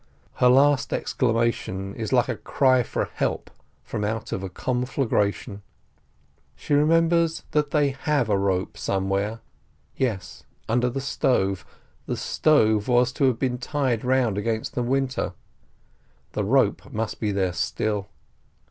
!" Her last exclamation is like a cry for help from out of a conflagration. A WOMAN'S WRATH 61 She remembers that they have a rope somewhere. Yes, under the stove — the stove was to have been tied round against the winter. The rope must be there still.